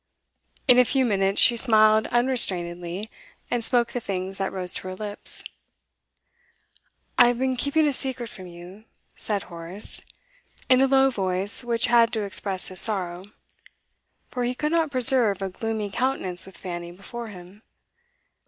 In a few minutes she smiled unrestrainedly, and spoke the things that rose to her lips. 'I've been keeping a secret from you,' said Horace, in the low voice which had to express his sorrow, for he could not preserve a gloomy countenance with Fanny before him.